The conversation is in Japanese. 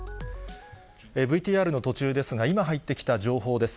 ＶＴＲの途中ですが、今、入ってきた情報です。